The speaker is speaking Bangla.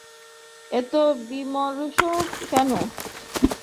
এতো বিমর্ষ কেনো?